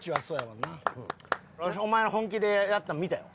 わしお前の本気でやったの見たよ。